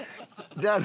じゃあね。